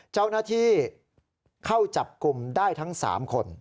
เจ้าหน้าที่เข้าจับกลุ่มได้ทั้ง๓คน